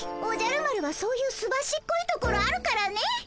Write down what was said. おじゃる丸はそういうすばしっこいところあるからね。